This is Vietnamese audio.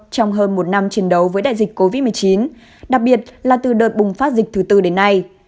trong hơn một năm chiến đấu với đại dịch covid một mươi chín đặc biệt là từ đợt bùng phát dịch thứ tư đến nay